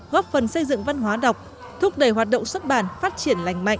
góp phần xây dựng văn hóa đọc thúc đẩy hoạt động xuất bản phát triển lành mạnh